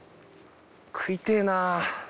食いてえな。